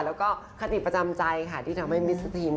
แล้วก็คราวติดประจำใจที่ทำให้มิสเตอร์ทีส์